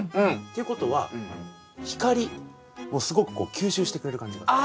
ということは光をすごくこう吸収してくれる感じがする。